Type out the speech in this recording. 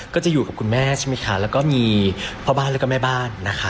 ก็จะอยู่กับคุณแม่และมีพ่อบ้านแล้วกับแม่บ้าน